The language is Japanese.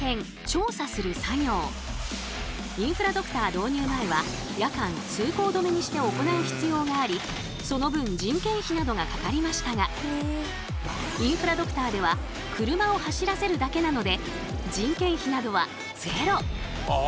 導入前は夜間通行止めにして行う必要がありその分人件費などがかかりましたがインフラドクターでは車を走らせるだけなので人件費などはゼロ。